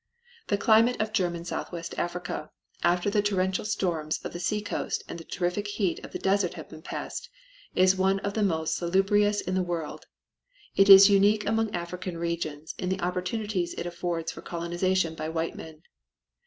The climate of German Southwest Africa, after the torrential storms of the seacoast and the terrific heat of the desert have been passed, is one of the most salubrious in the world. It is unique among African regions in the opportunities it affords for colonization by white men.